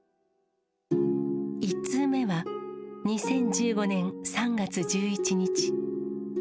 １通目は２０１５年３月１１日。